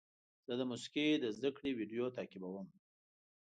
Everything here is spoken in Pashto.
زه د موسیقۍ د زده کړې ویډیو تعقیبوم.